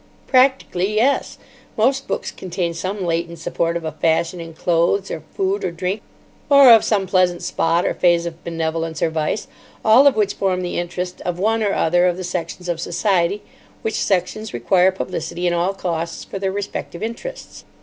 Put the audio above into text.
"Practically, yes. Most books contain some latent support of a fashion in clothes or food or drink, or of some pleasant spot or phase of benevolence or vice, all of which form the interest of one or other of the sections of society, which sections require publicity at all costs for their respective interests."